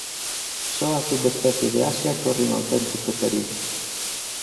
Só a subespecie de Asia corre un auténtico perigo.